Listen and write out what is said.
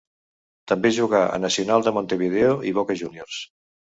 També jugà a Nacional de Montevideo i Boca Juniors.